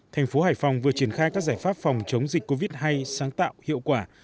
thành phố hải phòng vừa triển khai các giải pháp phòng chống dịch covid hay sáng tạo hiệu quả